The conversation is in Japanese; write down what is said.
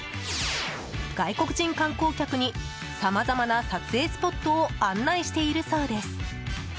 外国人観光客にさまざまな撮影スポットを案内しているそうです。